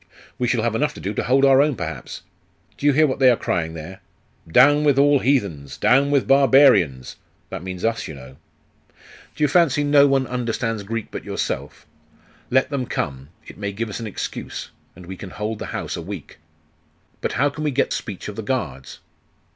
'We shall have enough to do to hold our own, perhaps. Do you hear what they are crying there? "Down with all heathens! Down with barbarians!" That means us, you know.' 'Do you fancy no one understands Greek but yourself? Let them come .... It may give us an excuse.... And we can hold the house a week.' 'But how can we get speech of the guards?